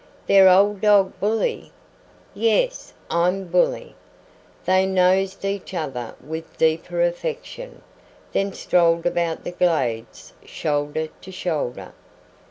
"Their old dog Bully?" "Yes, I'm Bully." They nosed each other with deeper affection, then strolled about the glades shoulder to shoulder.